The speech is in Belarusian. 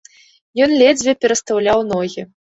Ён ледзьве перастаўляў ногі.